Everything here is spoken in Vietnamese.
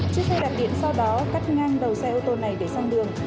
chiếc xe đạp điện sau đó cắt ngang đầu xe ô tô này để sang đường